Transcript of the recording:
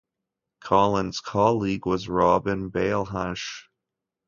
Collins' colleague was Robin Bailhache.